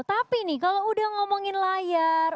tapi nih kalau udah ngomongin layar